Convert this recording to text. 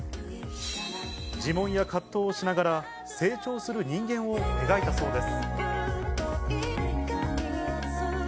自問や葛藤をしながら主張する人間を描いたそうです。